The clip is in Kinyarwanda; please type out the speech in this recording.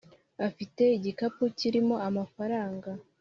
afite igikapu kirimo amafaranga